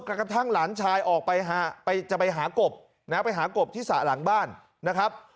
กระทั่งหลานชายออกไปจะไปหากบนะฮะไปหากบที่สระหลังบ้านนะครับ